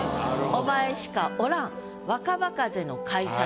「お前しかおらん若葉風の改札」。